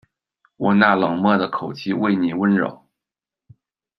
我那冷漠的口气为妳温柔